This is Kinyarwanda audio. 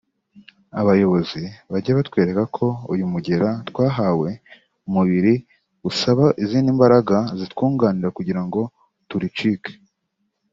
abayobozi…bajye batwereka ko uyu mugera twahawe mu mubiri usaba izindi mbaraga zitwunganira kugira ngo turicike